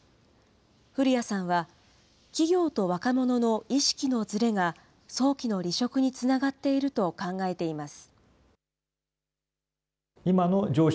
古屋さんは、企業と若者の意識のずれが、早期の離職につながっていると考えています。